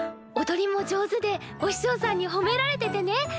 おどりも上手でお師匠さんにほめられててね！